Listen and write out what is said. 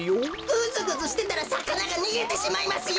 ぐずぐずしてたらさかながにげてしまいますよ！